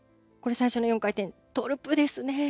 最初の４回転トウループですね。